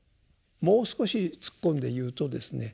もう少し突っ込んで言うとですね